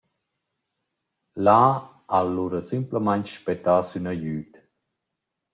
Là ha el lura simplamaing spettà sün agüd.